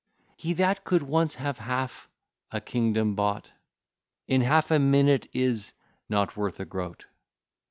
He that cou'd once have half a kingdom bought, In half a minute is not worth a groat.